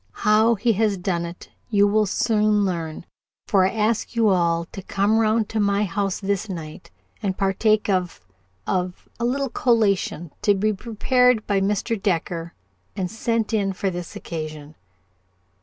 How he has done it you will soon learn, for I ask you all to come round to my house this night and partake of of a little collation to be prepared by Mr. Decker and sent in for this occasion."